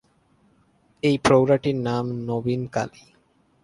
এই প্রৌঢ়াটির নাম নবীনকালী।